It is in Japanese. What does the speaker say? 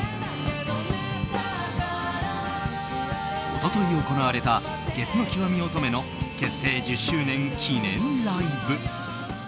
一昨日行われたゲスの極み乙女の結成１０周年記念ライブ。